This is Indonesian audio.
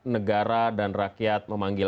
negara dan rakyat memanggil